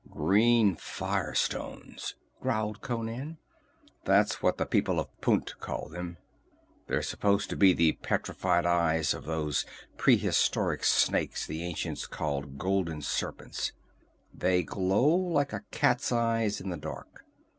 "Green fire stones," growled Conan. "That's what the people of Punt call them. They're supposed to be the petrified eyes of those prehistoric snakes the ancients called Golden Serpents. They glow like a cat's eyes in the dark.